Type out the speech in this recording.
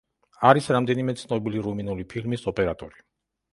არის რამდენიმე ცნობილი რუმინული ფილმის ოპერატორი.